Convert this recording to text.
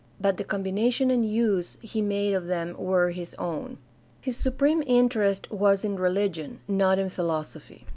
But the combination and use he made of them were his own. His supreme interest was in religion, not in philosophy.